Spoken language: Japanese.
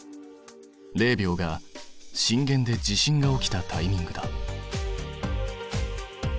０秒が震源で地震が起きたタイミングだ。